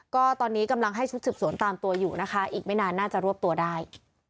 ก็ตอนนี้กำลังให้ชุดสืบสวนตามตัวอยู่นะคะอีกไม่นานน่าจะรวบตัวได้